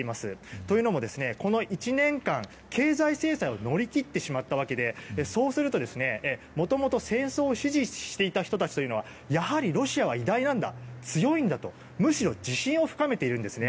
というのも、この１年間経済制裁を乗り切ってしまったわけでそうすると、もともと戦争を支持していた人たちはやはりロシアは偉大なんだ強いんだとむしろ自信を深めているんですね。